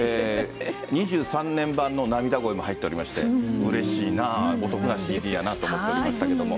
２３年版のなみだごいも入っておりまして、うれしいなあ、お得なＣＤやなと思っておりましたけれども。